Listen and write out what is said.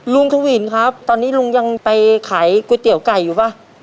ทวินครับตอนนี้ลุงยังไปขายก๋วยเตี๋ยวไก่อยู่ป่ะ